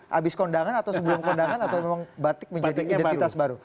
habis kondangan atau sebelum kondangan atau memang batik menjadi identitas baru